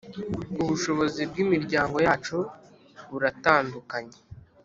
ubushobozi bw imiryango yacu buratandakunye